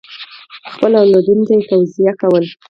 خپلو اولادونو ته یې توصیه کوله.